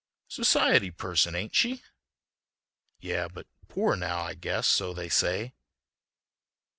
"Society person, ain't she?" "Yeah, but poor now, I guess; so they say."